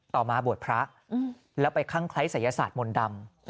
มาบวชพระแล้วไปคั่งคล้ายศัยศาสตร์มนต์ดำ